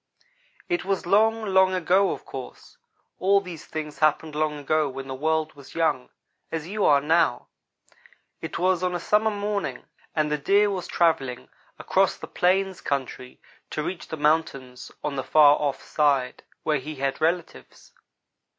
"It was long, long ago, of course. All these things happened long ago when the world was young, as you are now. It was on a summer morning, and the Deer was travelling across the plains country to reach the mountains on the far off side, where he had relatives.